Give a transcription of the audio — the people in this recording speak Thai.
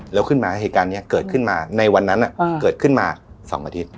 แล้วขึ้นมาเหตุการณ์นี้เกิดขึ้นมาในวันนั้นเกิดขึ้นมา๒อาทิตย์